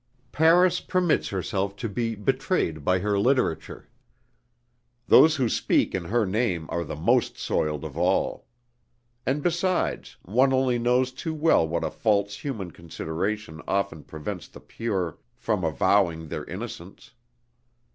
Paris permits herself to be betrayed by her literature. Those who speak in her name are the most soiled of all. And besides, one only knows too well that a false human consideration often prevents the pure from avowing their innocence.